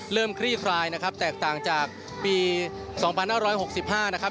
คลี่คลายนะครับแตกต่างจากปี๒๕๖๕นะครับ